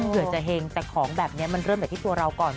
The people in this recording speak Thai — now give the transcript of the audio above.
เผื่อจะเห็งแต่ของแบบนี้มันเริ่มจากที่ตัวเราก่อน